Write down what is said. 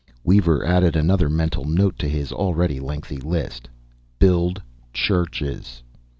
Weaver added another mental note to his already lengthy list: "Build churches."